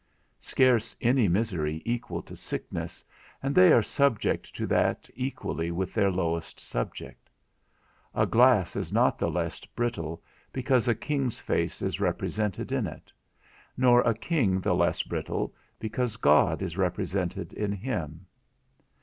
Scarce any misery equal to sickness, and they are subject to that equally with their lowest subject. A glass is not the less brittle, because a king's face is represented in it; nor a king the less brittle, because God is represented in him.